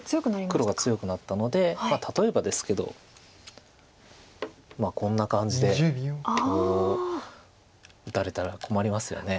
黒が強くなったので例えばですけどこんな感じでこう打たれたら困りますよね。